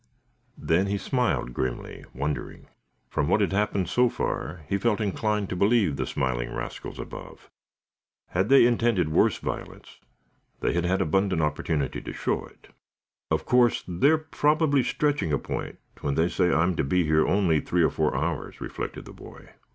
Then he smiled grimly, wondering. From what had happened so far he felt inclined to believe the smiling rascals above. Had they intended worse violence, they had had abundant opportunity to show it. "Of course, they're probably stretching a point when they say I'm to be here only three or four hours," reflected the boy.